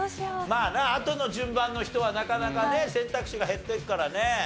まあなあとの順番の人はなかなかね選択肢が減っていくからね。